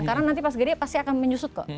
karena nanti pas kecil dia pasti akan menyusut kok